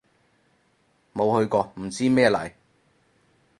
冇去過唔知咩嚟